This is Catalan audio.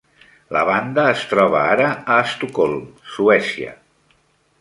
La banda es troba ara a Estocolm, Suècia.